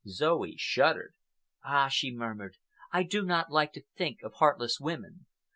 Zoe shuddered. "Ah!" she murmured, "I do not like to think of heartless women.